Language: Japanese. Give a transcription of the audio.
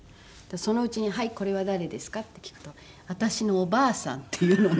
そのうちに「はいこれは誰ですか？」って聞くと「私のおばあさん」って言うのね。